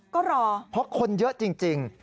ก็รอเพราะคนเยอะจริง